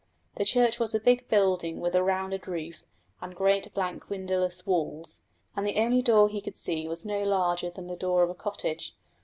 The church was a big building with a rounded roof, and great blank windowless walls, and the only door he could see was no larger than the door of a cottage.